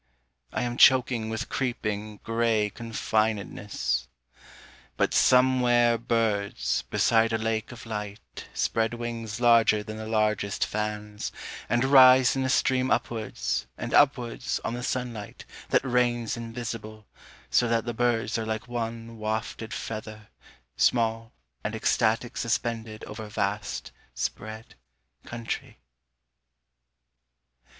I am choking with creeping, grey confinedness. But somewhere birds, beside a lake of light, spread wings Larger than the largest fans, and rise in a stream upwards And upwards on the sunlight that rains invisible, So that the birds are like one wafted feather, Small and ecstatic suspended over a vast spread country.